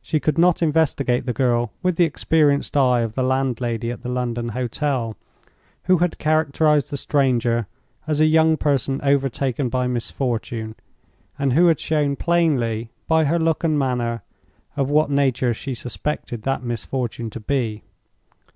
She could not investigate the girl with the experienced eye of the landlady at the London hotel, who had characterized the stranger as a young person overtaken by misfortune, and who had showed plainly, by her look and manner, of what nature she suspected that misfortune to be.